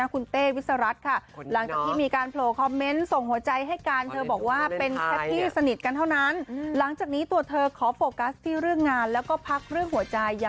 คุณเต้วิสรรัฐก็อยากพูดถึงพี่ครัย